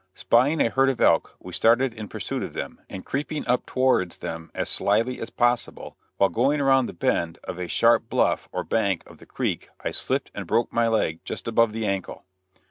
Spying a herd of elk, we started in pursuit of them, and creeping up towards them as slyly as possible, while going around the bend of a sharp bluff or bank of the creek I slipped and broke my leg just above the ankle.